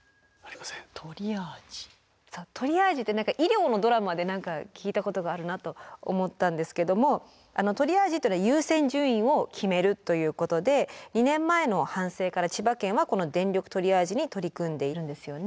そうトリアージって何か医療のドラマで何か聞いたことがあるなと思ったんですけどもトリアージっていうのは優先順位を決めるということで２年前の反省から千葉県はこの電力トリアージに取り組んでいるんですよね。